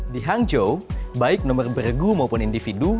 di hangzhou baik nomor bergu maupun individu